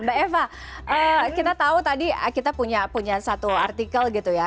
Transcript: mbak eva kita tahu tadi kita punya satu artikel gitu ya